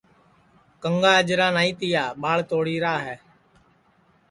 کنٚگا اجرا نائی تیا ٻاݪ توڑی را ہے